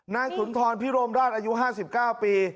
นางสุนทรพิโรมราชอายุห้าสิบเก้าปี